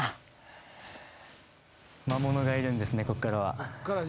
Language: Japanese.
魔物がいるんですねこっからは。